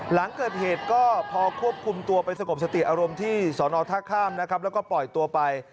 หลังเกิดเหตุก็พอควบคุมตัวไปสงบสติอารมณ์ที่สอนอท่าข้ามนะครับแล้วก็ปล่อยตัวไป